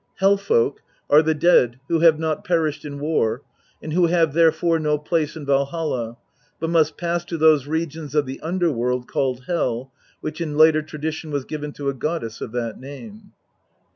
Hel folk are the dead who have not perished in war, and who have therefore no place in Valholl, but must pass to those regions of the underworld called Hel, which in later tradition was given to a goddess of that name.